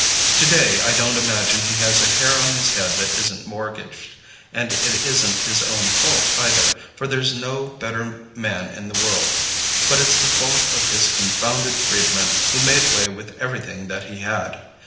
To day I don't imagine he has a hair on his head that isn't mortgaged, and it isn't his own fault either, for there's no better man in the world; but it's the fault of his confounded freedmen who made way with everything that he had.